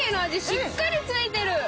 しっかりついてる！